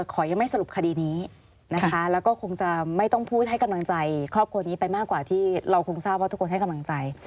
ขอยังไม่สรุปคดีนี้นะคะแล้วก็คงจะไม่ต้องพูดให้กำลังใจครอบครัวนี้ไปมากกว่าที่เราคงทราบว่าทุกคนให้กำลังใจ